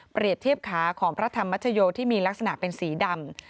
เทียบขาของพระธรรมชโยที่มีลักษณะเป็นสีดำ